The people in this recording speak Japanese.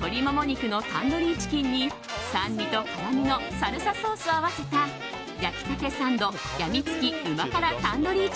鶏モモ肉のタンドリーチキンに酸味と辛味のサルサソースを合わせた焼きたてサンドやみつき旨辛タンドリー